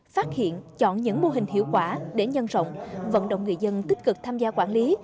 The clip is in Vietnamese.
phát hiện chọn những mô hình hiệu quả để nhân rộng vận động người dân tích cực tham gia quản lý